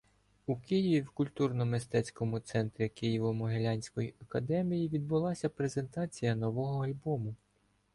у Києві в культурно-мистецькому центрі Києво-Могилянської Академії відбулася презентація нового альбому.